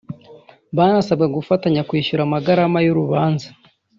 banasabwe gufatanya kwishyura amagarama y’urubanza